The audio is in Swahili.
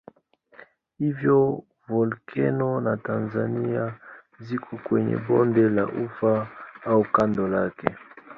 Hivyo volkeno za Tanzania ziko kwenye bonde la Ufa au kando lake.